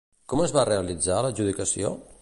Com es va realitzar l'adjudicació?